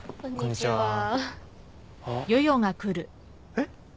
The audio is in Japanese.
えっ？